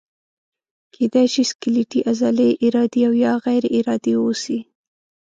کیدای شي سکلیټي عضلې ارادي او یا غیر ارادي اوسي.